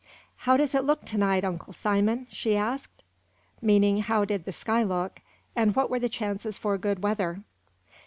"How does it look to night, Uncle Simon?" she asked, meaning how did the sky look, and what were the chances for good weather.